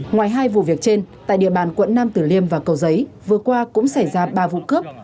ngoài hai vụ việc trên tại địa bàn quận nam tử liêm và cầu giấy vừa qua cũng xảy ra ba vụ cướp